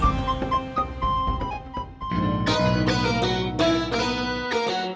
sekarang dari negara presiden